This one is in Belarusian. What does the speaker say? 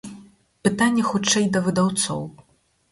Пытанне хутчэй да выдаўцоў.